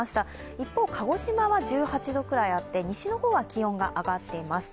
一方、鹿児島は１８度ぐらいあって西の方は気温が上がっています。